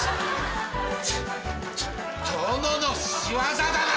殿の仕業だな！